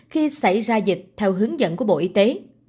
khi xảy ra dịch theo hướng dẫn của bộ y tế